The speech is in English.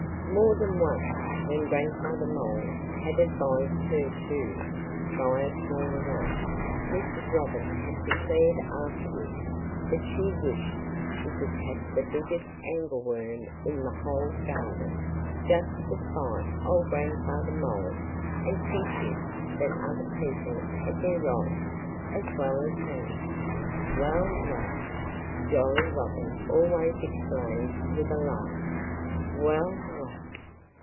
More than once, when Grandfather Mole had advised her to "try a smaller one," Mrs. Robin had declared afterward that she wished she could catch the biggest angleworm in the whole garden, just to spite old Grandfather Mole and teach him that other people had their rights, as well as he. "Well, well!" Jolly Robin always exclaimed with a laugh. "Well, well!